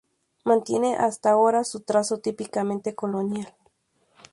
Mantiene hasta ahora su trazo típicamente colonial.